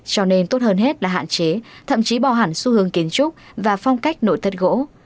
cho nên tốt hơn hết là hạn chế thậm chí bỏ hẳn xu hướng kiến trúc và phong cách nội thất gỗ